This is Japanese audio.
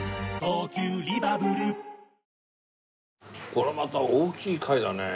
これはまた大きい貝だねえ。